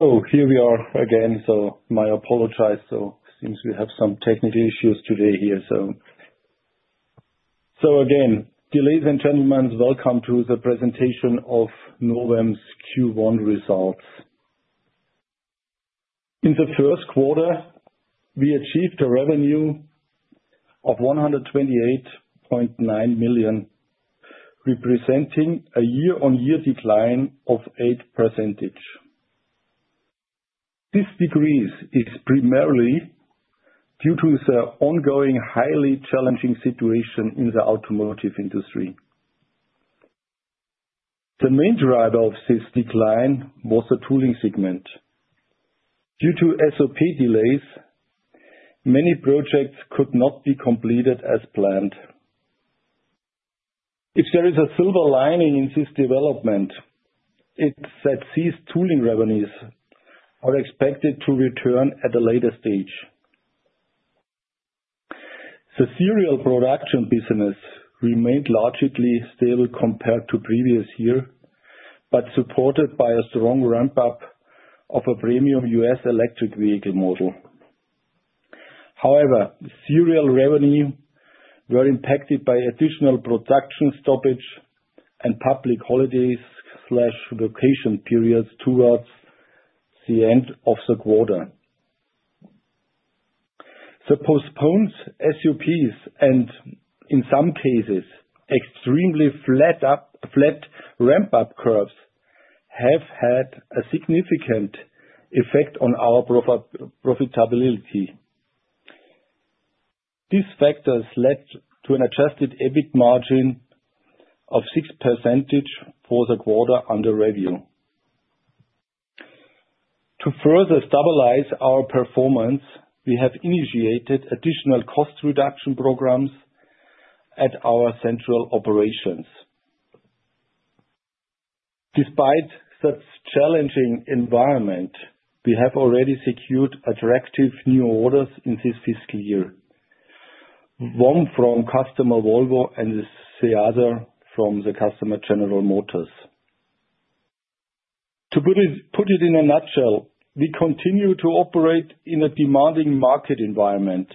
So here we are again, so my apologies. So it seems we have some technical issues today here. So, so again, dear ladies and gentlemen, welcome to the presentation of Novem's Q1 results. In the first quarter, we achieved a revenue of 128.9 million, representing a year-on-year decline of 8%. This decrease is primarily due to the ongoing, highly challenging situation in the automotive industry. The main driver of this decline was the tooling segment. Due to SOP delays, many projects could not be completed as planned. If there is a silver lining in this development, it's that these tooling revenues are expected to return at a later stage. The serial production business remained largely stable compared to previous year, but supported by a strong ramp-up of a premium U.S. Electric Vehicle model. However, serial revenue were impacted by additional production stoppage and public holidays and vacation periods towards the end of the quarter. The postponed SOPs, and in some cases, extremely flat ramp-up curves, have had a significant effect on our profitability. These factors led to an Adjusted EBIT margin of 6% for the quarter under review. To further stabilize our performance, we have initiated additional cost reduction programs at our Central Operations. Despite such challenging environment, we have already secured attractive new orders in this fiscal year, one from customer Volvo and the other from the customer, General Motors. To put it in a nutshell, we continue to operate in a demanding market environment,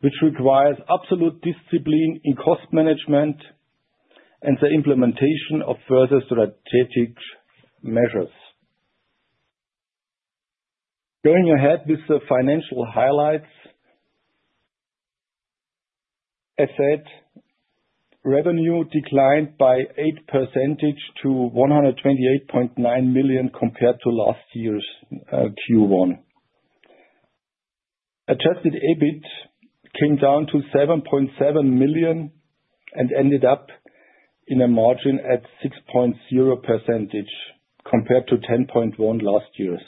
which requires absolute discipline in cost management and the implementation of further strategic measures. Going ahead with the financial highlights, I said, revenue declined by 8% to 128.9 million compared to last year's Q1. Adjusted EBIT came down to 7.7 million and ended up in a margin at 6.0%, compared to 10.1% last year.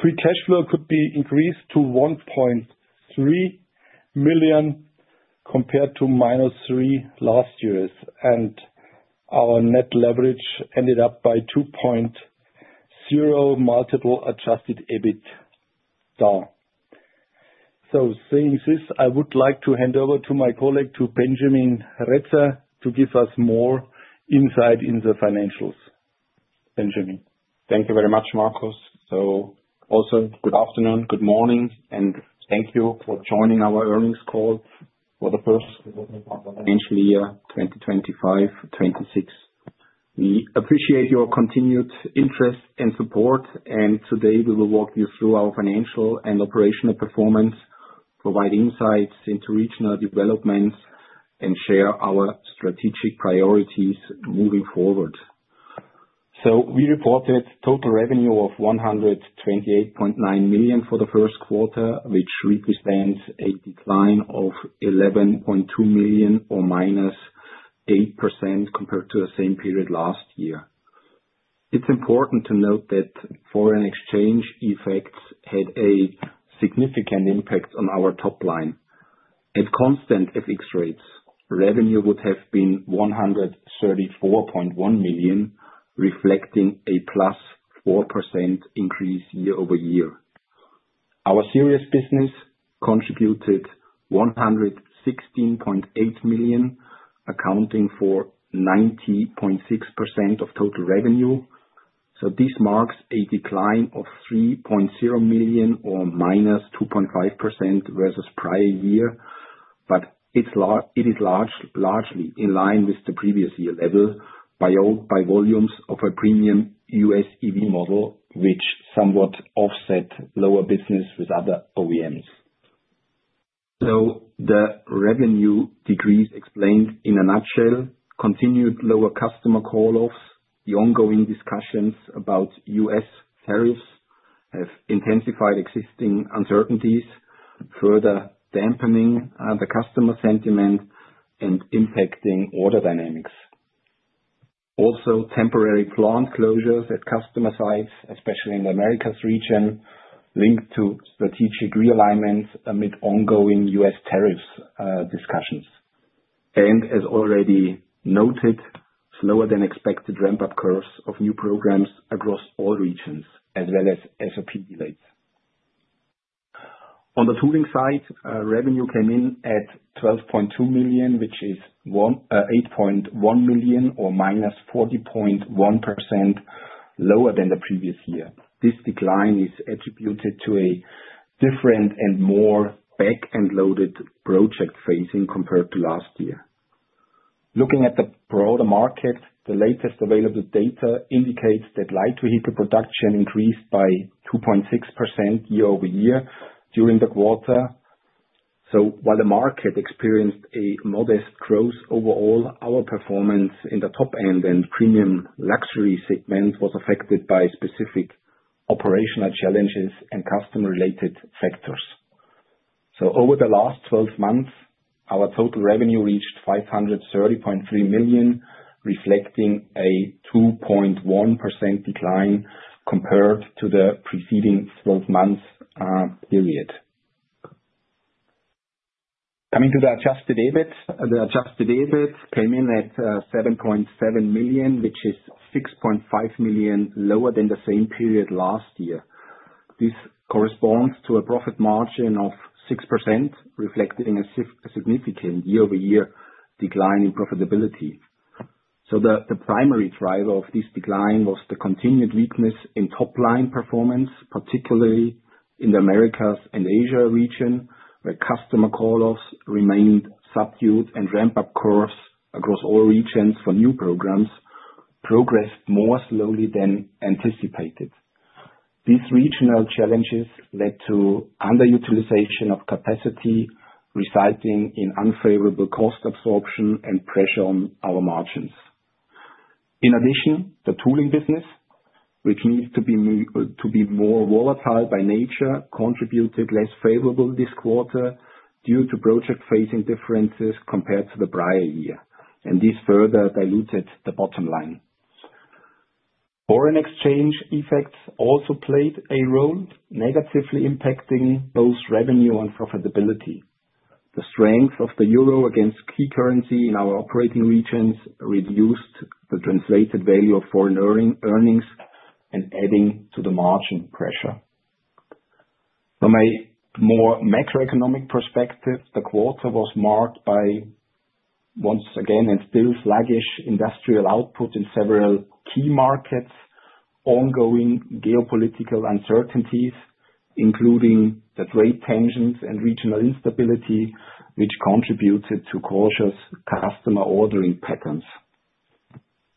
Free cash flow could be increased to 1.3 million, compared to -3 million last year, and our net leverage ended up at 2.0x Adjusted EBITDA. So saying this, I would like to hand over to my colleague, to Benjamin Retzer, to give us more insight in the financials. Benjamin? Thank you very much, Markus. So also, good afternoon, good morning, and thank you for joining our earnings call for the first financial year, 2025/26. We appreciate your continued interest and support, and today we will walk you through our financial and operational performance, provide insights into regional developments, and share our strategic priorities moving forward. So we reported total revenue of 128.9 million for the first quarter, which represents a decline of 11.2 million or -8% compared to the same period last year. It's important to note that foreign exchange effects had a significant impact on our top line. At constant FX rates, revenue would have been 134.1 million, reflecting a +4% increase year-over-year. Our serial business contributed 116.8 million, accounting for 90.6% of total revenue. So this marks a decline of 3.0 million or -2.5% versus prior year, but it's largely in line with the previous year level, by volumes of a premium U.S. EV model, which somewhat offset lower business with other OEMs. So the revenue decrease explained in a nutshell, continued lower customer call-offs, the ongoing discussions about U.S. tariffs have intensified existing uncertainties, further dampening the customer sentiment and impacting order dynamics. Also, temporary plant closures at customer sites, especially in the Americas region, linked to strategic realignments amid ongoing U.S. tariffs discussions. And as already noted, slower than expected ramp-up curves of new programs across all regions, as well as SOP delays. On the tooling side, revenue came in at 12.2 million, which is 8.1 million, or -40.1% lower than the previous year. This decline is attributed to a different and more back-end loaded project phasing compared to last year. Looking at the broader market, the latest available data indicates that light vehicle production increased by 2.6% year-over-year during the quarter. So while the market experienced a modest growth overall, our performance in the top end and premium luxury segment was affected by specific operational challenges and customer-related factors. So over the last twelve months, our total revenue reached 530.3 million, reflecting a 2.1% decline compared to the preceding twelve months, period. Coming to the Adjusted EBIT. The Adjusted EBIT came in at 7.7 million, which is 6.5 million lower than the same period last year. This corresponds to a profit margin of 6%, reflecting a significant year-over-year decline in profitability. So the primary driver of this decline was the continued weakness in top-line performance, particularly in the Americas and Asia region, where customer call-offs remained subdued and ramp-up curves across all regions for new programs progressed more slowly than anticipated. These regional challenges led to underutilization of capacity, resulting in unfavorable cost absorption and pressure on our margins. In addition, the Tooling business, which needs to be more volatile by nature, contributed less favorable this quarter due to project phasing differences compared to the prior year, and this further diluted the bottom line. Foreign exchange effects also played a role, negatively impacting both revenue and profitability. The strength of the Euro against key currency in our Operating Regions reduced the translated value of Foreign earnings and adding to the margin pressure. From a more Macroeconomic perspective, the quarter was marked by, once again, and still sluggish industrial output in several key markets, ongoing Geopolitical uncertainties, including the trade tensions and regional instability, which contributed to cautious customer ordering patterns.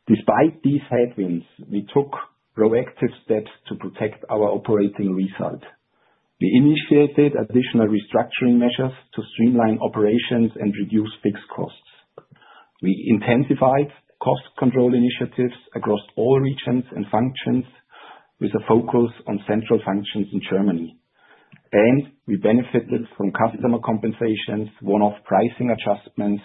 Despite these headwinds, we took proactive steps to protect our Operating result. We initiated additional restructuring measures to streamline operations and reduce fixed costs. We intensified cost control initiatives across all regions and functions, with a focus on central functions in Germany. We benefited from customer compensations, one-off pricing adjustments,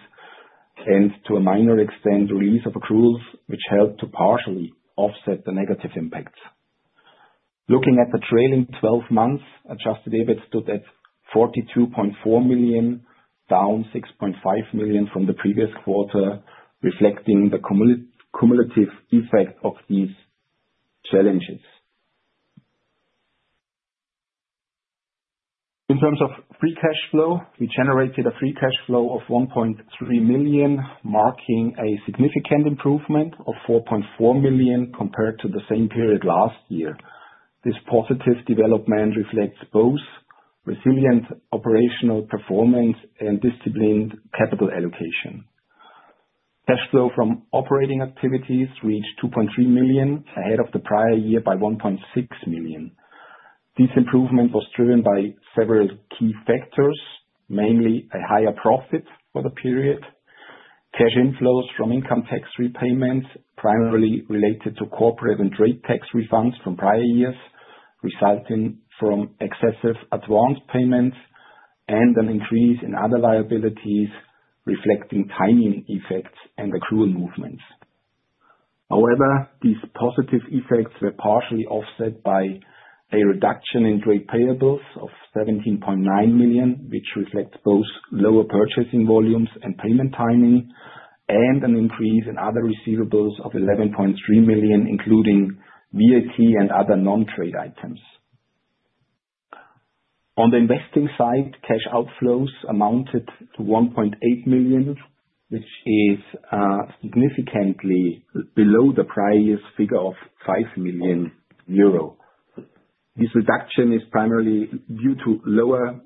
and, to a minor extent, release of accruals, which helped to partially offset the negative impacts. Looking at the trailing twelve months, Adjusted EBIT stood at 42.4 million, down 6.5 million from the previous quarter, reflecting the cumulative effect of these challenges. In terms of free cash flow, we generated a free cash flow of 1.3 million, marking a significant improvement of 4.4 million compared to the same period last year. This positive development reflects both resilient operational performance and disciplined capital allocation. Cash flow from operating activities reached 2.3 million, ahead of the prior year by 1.6 million. This improvement was driven by several key factors, mainly a higher profit for the period, cash inflows from income tax repayments, primarily related to corporate and trade tax refunds from prior years, resulting from excessive advance payments, and an increase in other liabilities, reflecting timing effects and accrual movements. However, these positive effects were partially offset by a reduction in trade payables of 17.9 million, which reflects both lower purchasing volumes and payment timing, and an increase in other receivables of 11.3 million, including VAT and other non-trade items. On the investing side, cash outflows amounted to 1.8 million, which is significantly below the prior year's figure of 5 million euro. This reduction is primarily due to Lower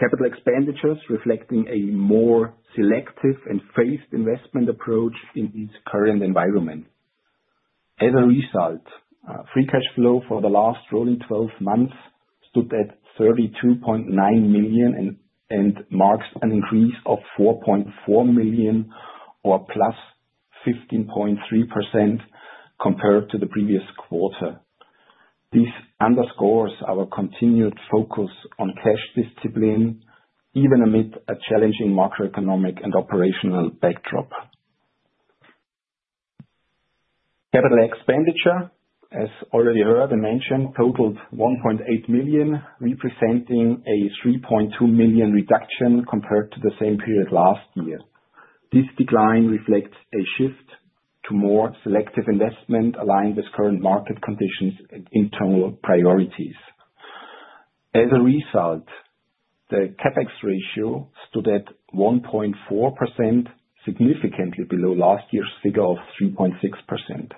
Capital expenditures, reflecting a more selective and phased investment approach in this current environment. As a result, free cash flow for the last rolling twelve months stood at 32.9 million and marks an increase of 4.4 million or +15.3% compared to the previous quarter. This underscores our continued focus on cash discipline, even amid a challenging Macroeconomic and operational backdrop. Capital expenditure, as already heard and mentioned, totaled 1.8 million, representing a 3.2 million reduction compared to the same period last year. This decline reflects a shift to more selective investment aligned with current market conditions and internal priorities. As a result, the CapEx ratio stood at 1.4%, significantly below last year's figure of 3.6%.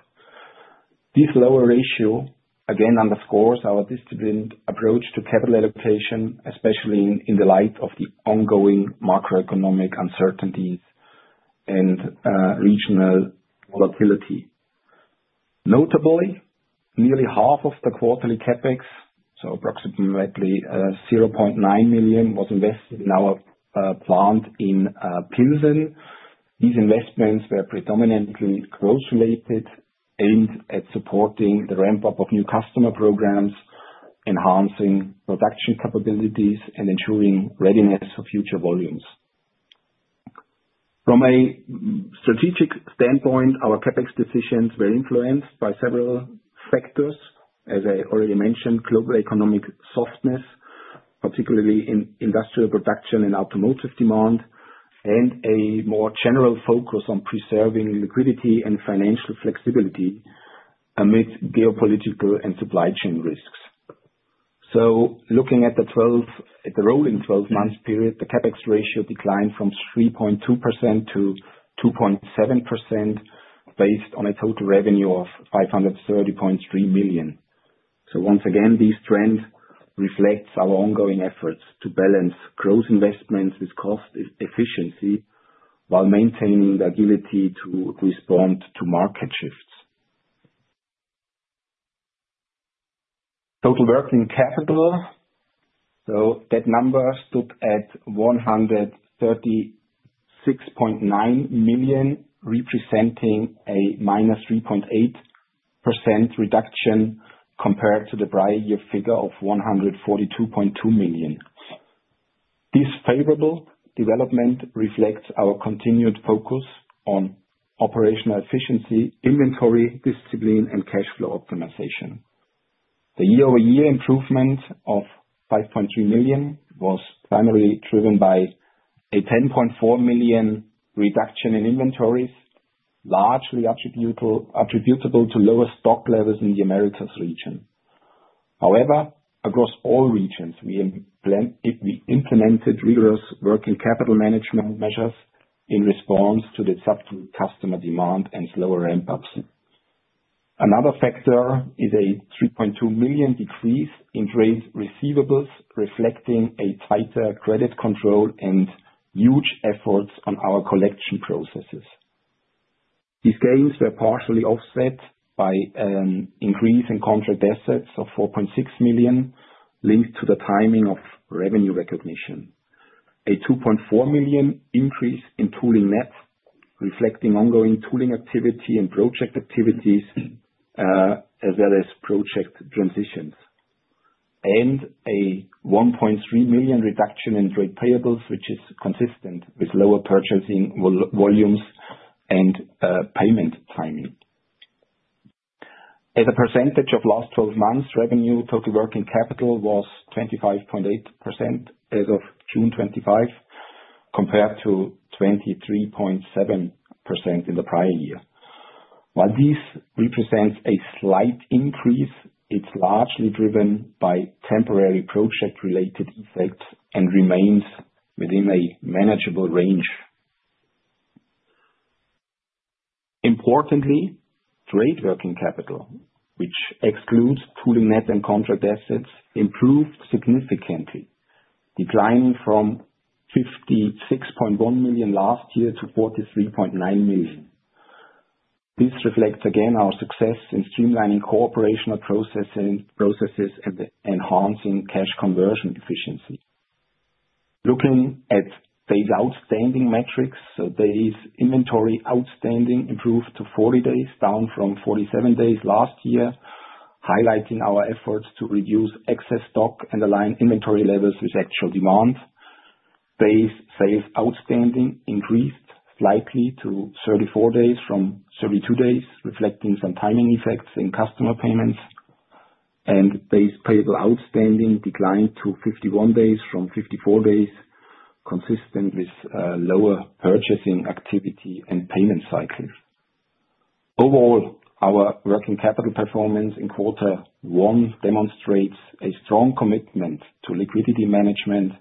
This lower ratio again underscores our disciplined approach to capital allocation, especially in the light of the ongoing macroeconomic uncertainties and regional volatility. Notably, nearly half of the quarterly CapEx, so approximately 0.9 million, was invested in our plant in Pilsen. These investments were predominantly growth-related, aimed at supporting the ramp-up of new customer programs, enhancing production capabilities, and ensuring readiness for future volumes. From a strategic standpoint, our CapEx decisions were influenced by several factors. As I already mentioned, global economic softness, particularly in industrial production and automotive demand, and a more general focus on preserving liquidity and financial flexibility amid geopolitical and supply chain risks. So looking at the rolling twelve-month period, the CapEx ratio declined from 3.2% to 2.7%, based on a total revenue of 530.3 million. So once again, this trend reflects our ongoing efforts to balance growth investments with cost efficiency, while maintaining the agility to respond to market shifts. Total working capital, so that number stood at 136.9 million, representing a -3.8% reduction compared to the prior year figure of 142.2 million. This favorable development reflects our continued focus on operational efficiency, Inventory discipline, and cash flow optimization. The year-over-year improvement of 5.3 million was primarily driven by a 10.4 million reduction in inventories, largely attributable to lower stock levels in the Americas region. However, across all regions, we implemented rigorous working capital management measures in response to customer demand and slower ramp-ups. Another factor is a 3.2 million decrease in trade receivables, reflecting a tighter credit control and huge efforts on our collection processes. These gains were partially offset by increase in contract assets of 4.6 million, linked to the timing of revenue recognition. A 2.4 million increase in tooling net, reflecting ongoing tooling activity and project activities, as well as Project Transitions. A 1.3 million reduction in trade payables, which is consistent with lower purchasing volumes and payment timing. As a percentage of last twelve months revenue, total working capital was 25.8% as of June 25, compared to 23.7% in the prior year. While this represents a slight increase, it's largely driven by temporary project-related effects and remains within a manageable range. Importantly, trade working capital, which excludes tooling net and contract assets, improved significantly, declining from 56.1 million last year to 43.9 million. This reflects, again, our success in streamlining cooperation processes, processes and enhancing cash conversion efficiency. Looking at days outstanding metrics, so days inventory outstanding improved to 40 days, down from 47 days last year, highlighting our efforts to reduce excess stock and align inventory levels with actual demand. Days sales outstanding increased slightly to 34 days from 32 days, reflecting some timing effects in customer payments, and days payable outstanding declined to 51 days from 54 days, consistent with lower purchasing activity and payment cycles. Overall, our working capital performance in quarter one demonstrates a strong commitment to liquidity management,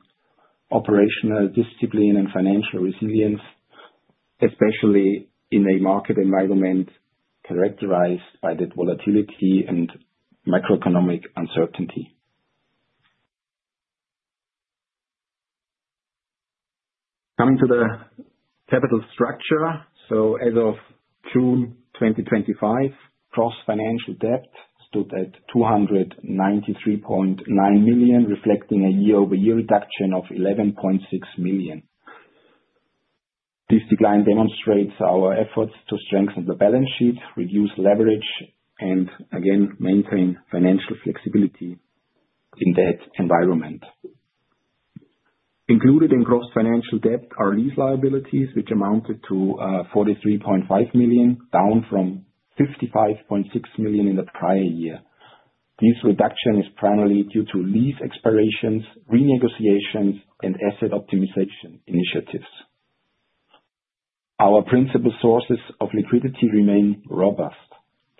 operational discipline, and financial resilience, especially in a market environment characterized by the volatility and macroeconomic uncertainty. Coming to the capital structure, as of June 2025, gross financial debt stood at 293.9 million, reflecting a year-over-year reduction of 11.6 million. This decline demonstrates our efforts to strengthen the balance sheet, reduce leverage, and again, maintain financial flexibility in that environment. Included in gross financial debt are lease liabilities, which amounted to 43.5 million, down from 55.6 million in the prior year. This reduction is primarily due to lease expirations, renegotiations, and asset optimization initiatives. Our principal sources of liquidity remain robust.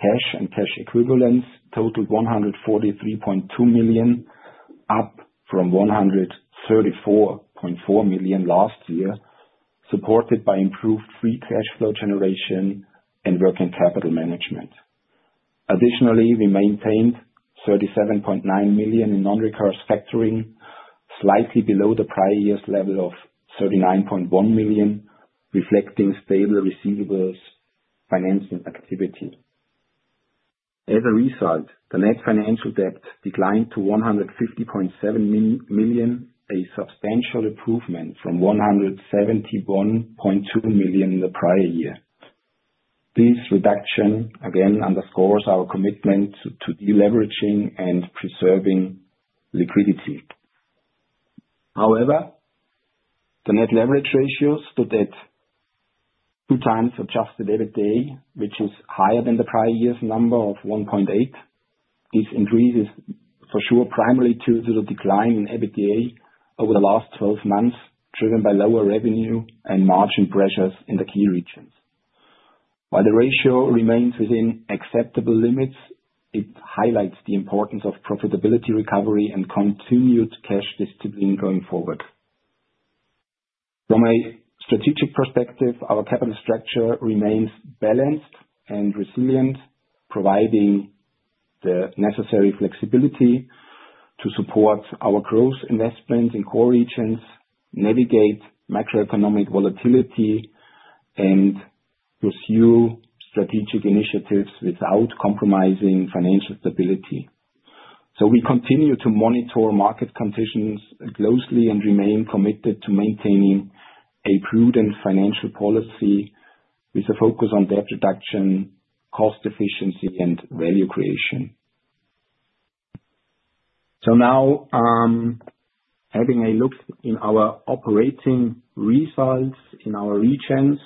Cash and cash equivalents totaled 143.2 million, up from 134.4 million last year, supported by improved Free Cash Flow generation and Working Capital management. Additionally, we maintained 37.9 million in non-recourse factoring, slightly below the prior year's level of 39.1 million, reflecting stable receivables financing activity. As a result, the net financial debt declined to 150.7 million, a substantial improvement from 171.2 million in the prior year. This reduction, again, underscores our commitment to deleveraging and preserving liquidity. However, the Net Leverage Ratio stood at 2x Adjusted EBITDA, which is higher than the prior year's number of 1.8. This increase is for sure primarily due to the decline in EBITDA over the last 12 months, driven by lower revenue and margin pressures in the key regions. While the ratio remains within acceptable limits, it highlights the importance of profitability recovery and continued cash discipline going forward. From a strategic perspective, our capital structure remains balanced and resilient, providing the necessary flexibility to support our growth investments in core regions, navigate macroeconomic volatility, and pursue strategic initiatives without compromising financial stability. So we continue to monitor market conditions closely and remain committed to maintaining a prudent financial policy with a focus on debt reduction, cost efficiency, and value creation. So now, having a look in our operating results in our Regions.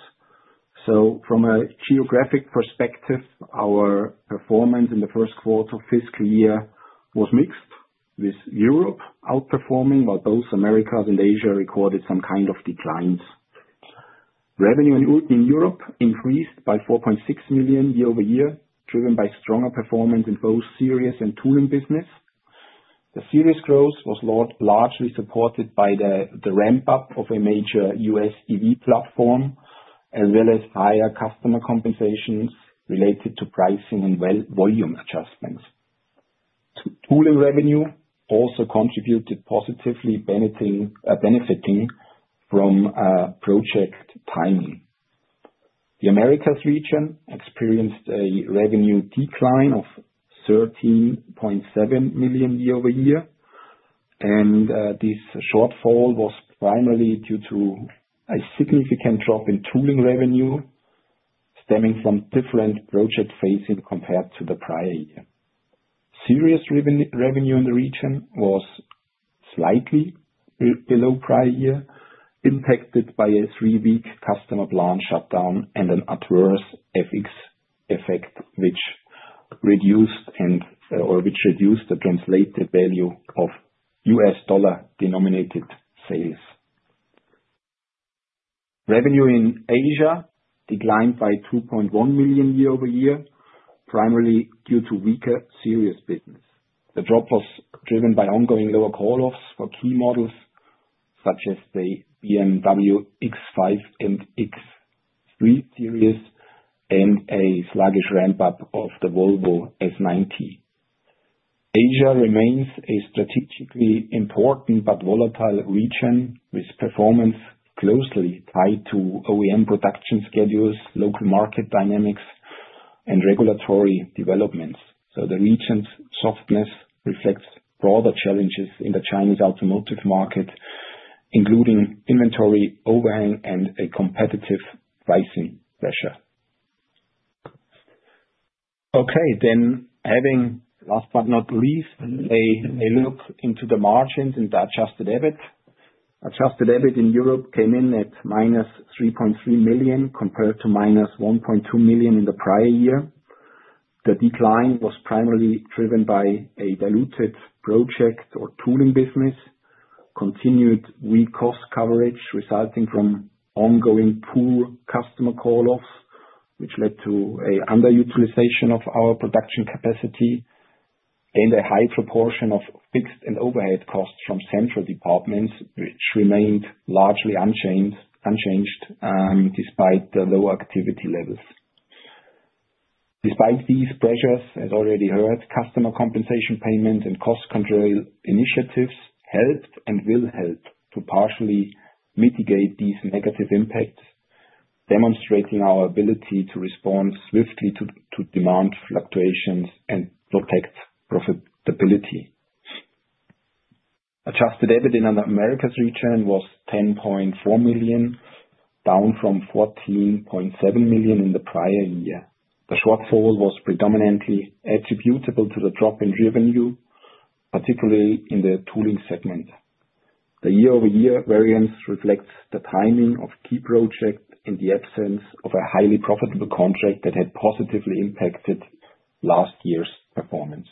From a geographic perspective, our performance in the first quarter fiscal year was mixed, with Europe outperforming, while both Americas and Asia recorded some kind of declines. Revenue in Europe increased by 4.6 million year-over-year, driven by stronger performance in both serial and tooling business. The serial growth was largely supported by the ramp-up of a major U.S. EV platform, as well as higher customer compensations related to pricing and well, volume adjustments. Tooling revenue also contributed positively, benefiting from project timing. The Americas region experienced a revenue decline of 13.7 million year-over-year, and this shortfall was primarily due to a significant drop in tooling revenue, stemming from different project phasing compared to the prior year. Serial revenue in the region was slightly below prior year, impacted by a 3-week customer plant shutdown and an adverse FX effect, which reduced the translated value of U.S. dollar-denominated sales. Revenue in Asia declined by 2.1 million year-over-year, primarily due to weaker serial business. The drop was driven by ongoing lower call-offs for key models, such as the BMW X5 and X3 series, and a sluggish ramp-up of the Volvo S90. Asia remains a strategically important but Volatile region, with performance closely tied to OEM production schedules, local market dynamics, and regulatory developments. The region's softness reflects broader challenges in the Chinese automotive market, including inventory overhang and a competitive pricing pressure. Okay, then, last but not least, a look into the margins and the Adjusted EBIT. Adjusted EBIT in Europe came in at -3.3 million, compared to -1.2 million in the prior year. The decline was primarily driven by a diluted project or tooling business, continued weak cost coverage resulting from ongoing poor customer call-offs, which led to an underutilization of our production capacity, and a high proportion of fixed and overhead costs from central departments, which remained largely unchanged despite the lower activity levels. Despite these pressures, as already heard, customer compensation payments and cost control initiatives helped and will help to partially mitigate these negative impacts, demonstrating our ability to respond swiftly to demand fluctuations and protect profitability. Adjusted EBIT in the Americas region was 10.4 million, down from 14.7 million in the prior year. The shortfall was predominantly attributable to the drop in revenue, particularly in the tooling segment.. The year-over-year variance reflects the timing of key projects in the absence of a highly profitable contract that had positively impacted last year's performance.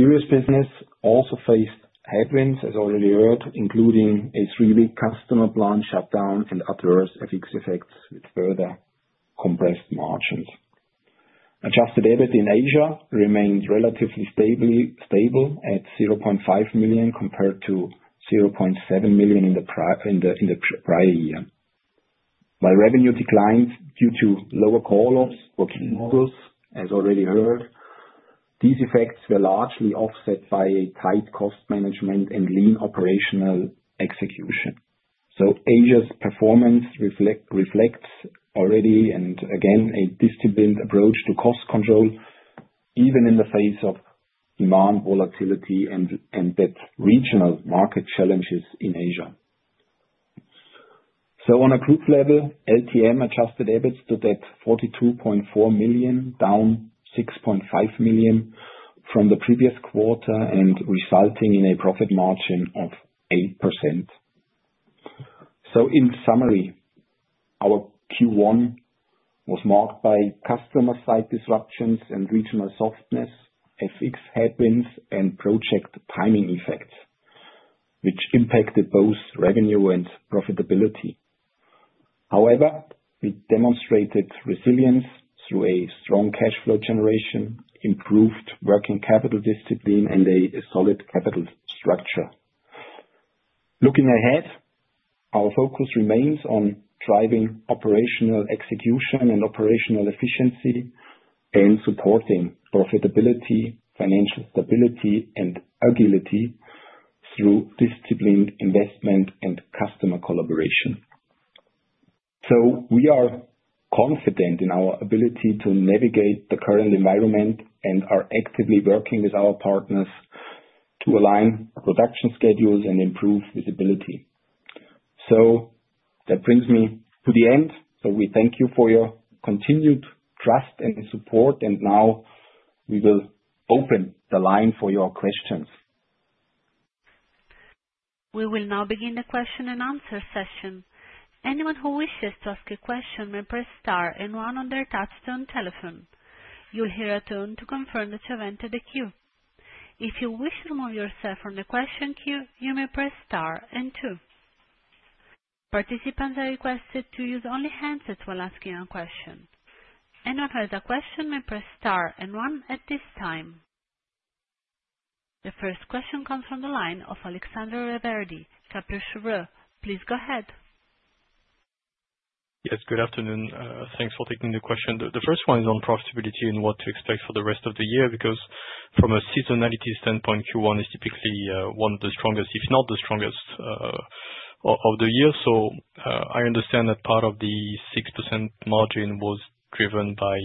The U.S. business also faced headwinds, as already heard, including a 3-week customer plant shutdown and adverse FX effects, which further compressed margins. Adjusted EBIT in Asia remains relatively stable, at 0.5 million, compared to 0.7 million in the prior year. While revenue declined due to lower volumes, as already heard, these effects were largely offset by tight cost management and lean operational execution. So Asia's performance reflects already, and again, a disciplined approach to cost control, even in the face of demand volatility and that regional market challenges in Asia. So on a group level, LTM Adjusted EBIT stood at 42.4 million, down 6.5 million from the previous quarter, and resulting in a profit margin of 8%. So in summary, our Q1 was marked by customer site disruptions and regional softness, FX headwinds, and project timing effects, which impacted both revenue and profitability. However, we demonstrated resilience through a strong cash flow generation, improved working capital discipline, and a solid capital structure. Looking ahead, our focus remains on Driving Operational Execution and Operational Efficiency, and Supporting Profitability, Financial Stability, and Agility through Disciplined Investment and customer collaboration. So we are confident in our ability to navigate the current environment, and are actively working with our partners to align production schedules and improve visibility. So that brings me to the end. We thank you for your continued trust and support, and now we will open the line for your questions. We will now begin the question and answer session. Anyone who wishes to ask a question may press star and one on their touchtone telephone. You'll hear a tone to confirm that you entered the queue. If you wish to remove yourself from the question queue, you may press star and two. Participants are requested to use only handset while asking a question. Anyone with a question may press star and one at this time. The first question comes from the line of Alexander Craeymeersch, Kepler Cheuvreux. Please go ahead. Yes, good afternoon. Thanks for taking the question. The first one is on profitability and what to expect for the rest of the year, because from a seasonality standpoint, Q1 is typically one of the strongest, if not the strongest, of the year. So, I understand that part of the 6% margin was driven by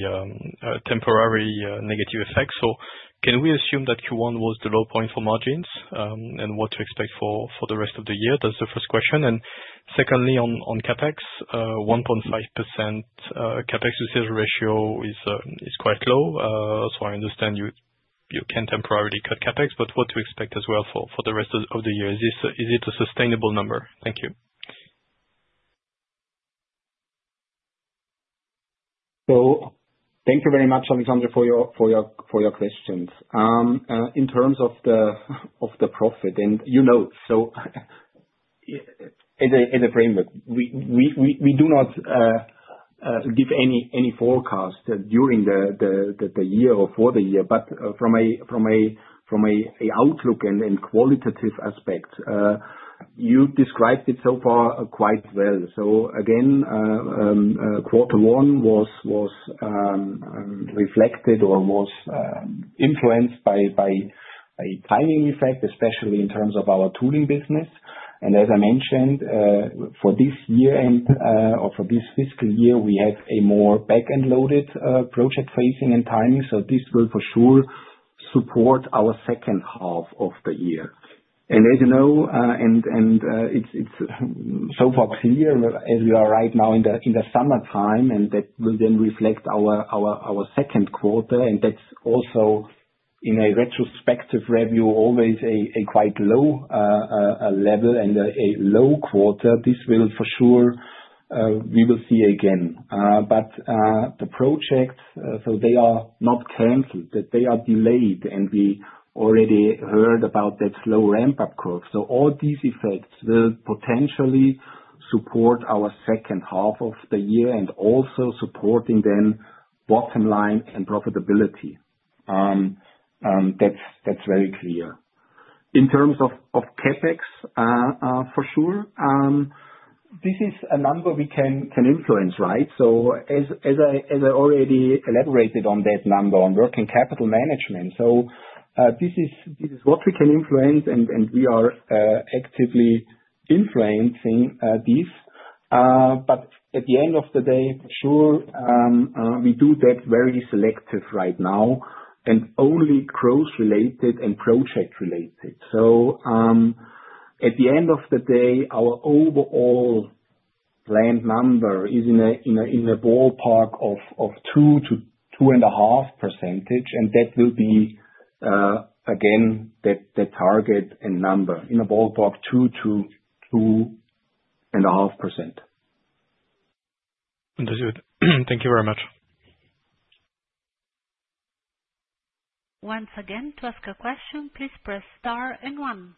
temporary negative effects. So can we assume that Q1 was the low point for margins? And what to expect for the rest of the year? That's the first question. And secondly, on CapEx, 1.5% CapEx to sales ratio is quite low. So I understand you can temporarily cut CapEx, but what to expect as well for the rest of the year? Is this a sustainable number? Thank you. So thank you very much, Alexander, for your questions. In terms of the Profit, and you know, so in the framework, we do not give any forecast during the year or for the year. But from a outlook and qualitative aspect, you described it so far quite well. So again, quarter one was reflected or was influenced by a timing effect, especially in terms of our tooling business. And as I mentioned, for this year and or for this fiscal year, we have a more back-end loaded project phasing and timing, so this will for sure support our second half of the year. And as you know, it's so far clear as we are right now in the summertime, and that will then reflect our second quarter, and that's also in a retrospective review, always a quite low level and a low quarter. This will for sure, we will see again. But the projects, so they are not canceled, but they are delayed, and we already heard about that slow ramp-up curve. So all these effects will potentially support our second half of the year, and also supporting then bottom line and profitability. That's very clear. In terms of CapEx, for sure, this is a number we can influence, right? So, as I already elaborated on that number on working capital management, this is what we can influence, and we are actively influencing this. But at the end of the day, for sure, we do that very selective right now, and only growth related and project related. So, at the end of the day, our overall planned number is in a ballpark of 2%-2.5%, and that will be, again, the target and number. In the ballpark 2%-2.5%. Understood. Thank you very much. Once again, to ask a question, please press star and one.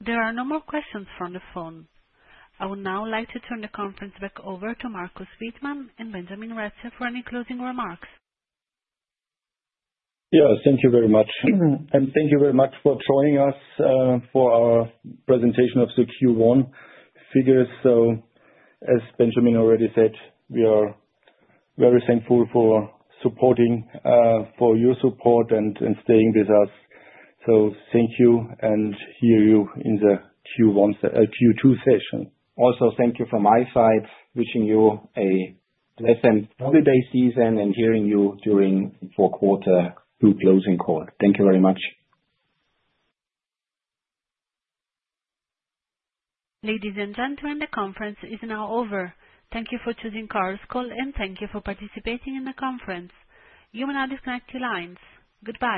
There are no more questions from the phone. I would now like to turn the conference back over to Markus Wittmann and Benjamin Retzer for any closing remarks. Yeah, thank you very much. And thank you very much for joining us for our presentation of the Q1 figures. So as Benjamin already said, we are very thankful for your support and staying with us. So thank you, and see you in the Q1, Q2 session. Also thank you from my side. Wishing you a pleasant holiday season, and hearing you during the fourth quarter full closing call. Thank you very much. Ladies and gentlemen, the conference is now over. Thank you for choosing Chorus Call, and thank you for participating in the conference. You may now disconnect your lines. Goodbye.